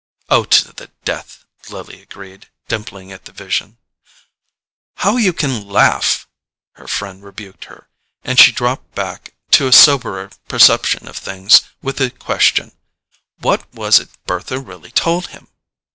"Oh, to the death," Lily agreed, dimpling at the vision. "How you can LAUGH——" her friend rebuked her; and she dropped back to a soberer perception of things with the question: "What was it Bertha really told him?"